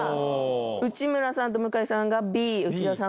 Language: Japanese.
内村さんと向井さんがＢ内田さん